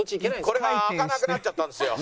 これが開かなくなっちゃったんですよ。